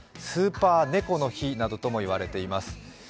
スーパー猫の日などとも言われています。